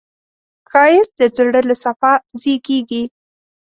ښایست د زړه له صفا زېږېږي